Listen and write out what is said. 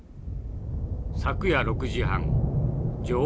昨夜６時半女王